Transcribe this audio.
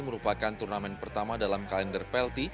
merupakan turnamen pertama dalam kalender plt